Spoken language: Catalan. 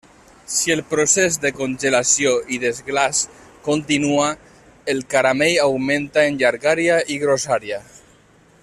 Si el procés de congelació i desglaç continua, el caramell augmenta en llargària i grossària.